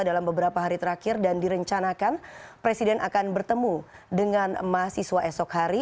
dalam beberapa hari terakhir dan direncanakan presiden akan bertemu dengan mahasiswa esok hari